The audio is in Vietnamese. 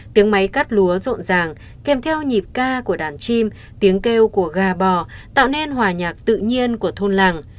tiếng máy cắt lúa rộn ràng kèm theo nhịp ca của đàn chim tiếng kêu của gà bò tạo nên hòa nhạc tự nhiên của thôn làng